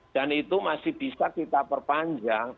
dan itu masih bisa kita perpanjang